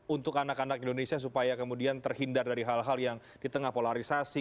untuk anak anak indonesia supaya kemudian terhindar dari hal hal yang di tengah polarisasi